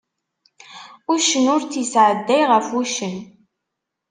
Uccen ur tt-isɛedday ɣef uccen.